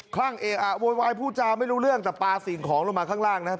ลั่งเออะโวยวายพูดจาไม่รู้เรื่องแต่ปลาสิ่งของลงมาข้างล่างนะครับ